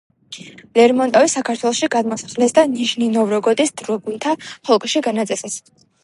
ლერმონტოვი საქართველოში გადმოასახლეს და ნიჟნი-ნოვგოროდის დრაგუნთა პოლკში განაწესეს.